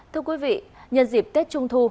thưa quý vị nhân dịp tết trung thu